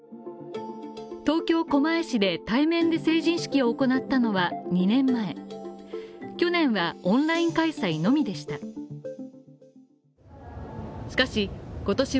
東京・狛江市で対面で成人式を行ったのは２年前、去年はオンライン開催のみでした。